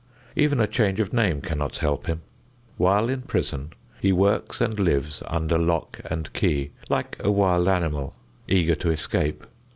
Even a change of name cannot help him. While in prison he works and lives under lock and key, like a wild animal, eager to escape.